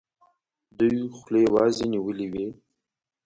دوی خولې وازي نیولي وي.